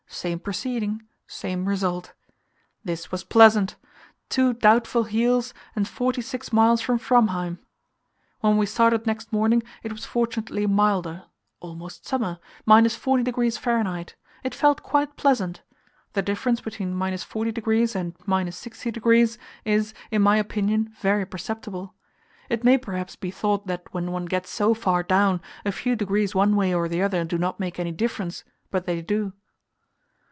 Same proceeding same result. This was pleasant two doubtful heels, and forty six miles from Framheim! When we started next morning it was fortunately milder "almost summer": 40° F. It felt quite pleasant. The difference between 40° and 60° is, in my opinion, very perceptible. It may perhaps be thought that when one gets so far down, a few degrees one way or the other do not make any difference, but they do.